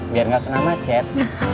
biar gak kena macet